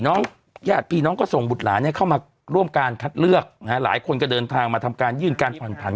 ญาติพี่น้องก็ส่งบุตรหลานเข้ามาร่วมการคัดเลือกหลายคนก็เดินทางมาทำการยื่นการผ่อนผัน